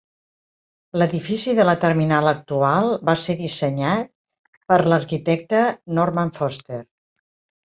L'edifici de la terminal actual va ser dissenyat per l'arquitecte Norman Foster.